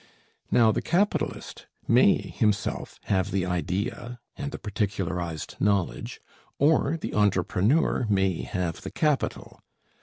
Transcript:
Now the capitalist may himself have the idea and the particularized knowledge, or the entrepreneur may have the capital.